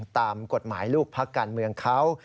ตามกฎหมายลูกพักการเมืองเขา